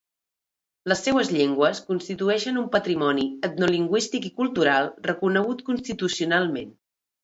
Les seues llengües constitueixen un patrimoni etnolingüístic i cultural reconegut constitucionalment.